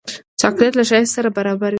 چاکلېټ له ښایست سره برابر وي.